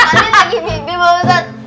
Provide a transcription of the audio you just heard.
tadi lagi mimpi bapak ustaz